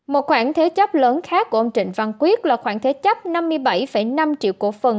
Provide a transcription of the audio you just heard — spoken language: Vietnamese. một khoản thế chấp lớn khác của ông trịnh văn quyết là khoảng thế chấp năm mươi bảy năm triệu cổ phần